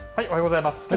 おはようございます。